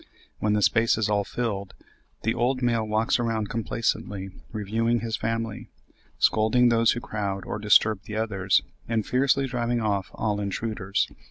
When the space is all filled, the old male walks around complacently reviewing his family, scolding those who crowd or disturb the others, and fiercely driving off all intruders.